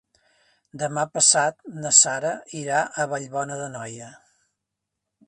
Demà passat na Sara irà a Vallbona d'Anoia.